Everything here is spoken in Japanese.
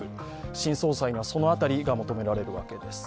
新総裁にはその辺りが求められるわけです。